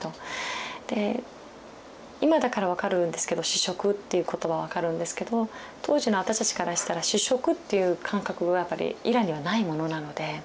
で今だから分かるんですけど「試食」っていう言葉分かるんですけど当時の私たちからしたら試食っていう感覚がやっぱりイランにはないものなので。